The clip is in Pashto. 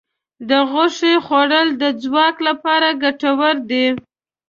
د غوښې خوړل د ځواک لپاره ګټور دي.